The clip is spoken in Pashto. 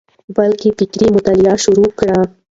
بلکي فکري مطالعه شروع کړه،